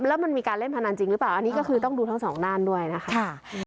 แล้วมันมีการเล่นพนันจริงหรือเปล่าอันนี้ก็คือต้องดูทั้งสองด้านด้วยนะคะ